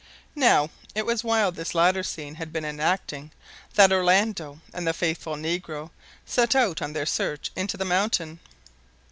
Now, it was while this latter scene had been enacting, that Orlando and the faithful negro set out on their search into the mountain.